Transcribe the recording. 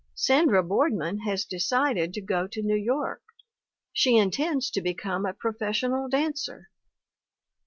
Sandra Boardman has decided to go to New York. She in tends to become a professional dancer.